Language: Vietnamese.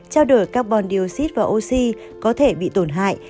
trao đổi carbon dioxide và oxy có thể bị tổn hại